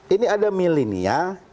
ini ada milenial